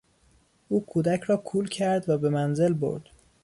او کودک را کول کرد و به منزل برد.